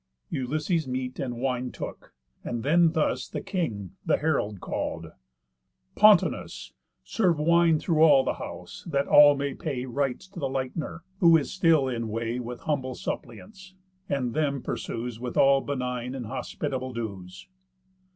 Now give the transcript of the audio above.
Ulysses meat and wine took; and then thus The king the herald call'd: "Pontonous! Serve wine through all the house, that all may pay Rites to the Lightner, who is still in way With humble suppliants, and them pursues With all benign and hospitable dues."